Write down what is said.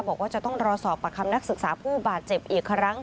บอกว่าจะต้องรอสอบประคำนักศึกษาผู้บาดเจ็บอีกครั้ง